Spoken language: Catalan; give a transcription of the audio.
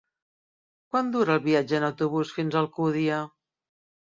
Quant dura el viatge en autobús fins a Alcúdia?